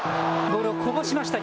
ボールをこぼしました。